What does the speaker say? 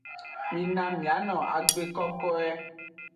Mina miano agbe kokoe.